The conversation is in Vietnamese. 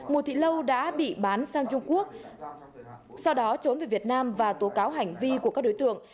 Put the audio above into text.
mùa thị lâu đã bị bán sang trung quốc sau đó trốn về việt nam và tố cáo hành vi của các đối tượng